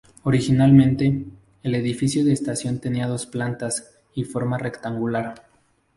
Originalmente, el edificio de estación tenía dos plantas y forma rectangular.